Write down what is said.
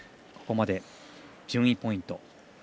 ここまで順位ポイント